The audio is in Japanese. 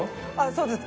そうです